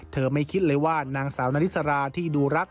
ไม่คิดเลยว่านางสาวนาริสราที่ดูรัก